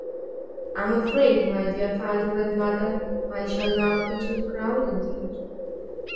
I am afraid, my dear father and mother, I shall now be too proud indeed.